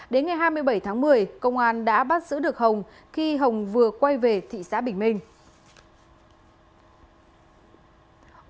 đến ngày hai mươi bảy tháng một mươi công an đã bắt giữ được hồng khi hồng vừa quay về thị xã bình minh